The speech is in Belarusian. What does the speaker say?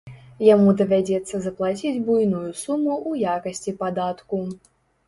Яму давядзецца заплаціць буйную суму ў якасці падатку.